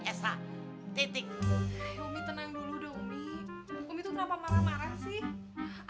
umi tenang dulu deh umi umi tuh kenapa marah marah sih